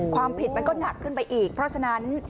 ความผิดมันก็หนักขึ้นไปอีกเพราะฉะนั้น